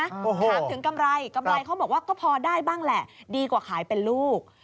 ถามถึงกำไรกำไรเขาบอกว่าก็พอได้บ้างแหละดีกว่าขายเป็นลูก